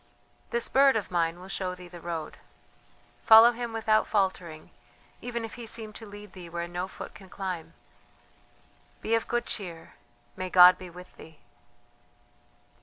"This bird of mine will show thee the road. Follow him without faltering, even if he seem to lead thee where no foot can climb. Be of good cheer, may God be with thee!"